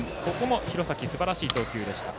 廣崎、すばらしい投球でした。